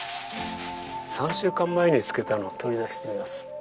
３週間前に漬けたのを取り出してみます。